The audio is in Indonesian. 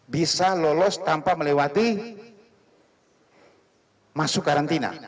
bisa lolos tanpa melewati masuk karantina